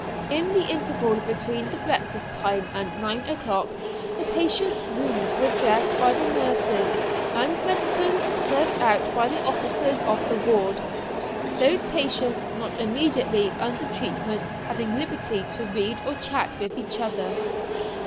In the interval between the breakfast time and nine o'clock the patients' wounds were dressed by the nurses, and medicines served out by the officers of the ward; those patients not immediately under treatment having liberty to read or chat with each other.